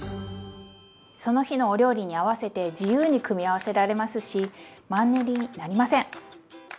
その日のお料理に合わせて自由に組み合わせられますしマンネリになりません！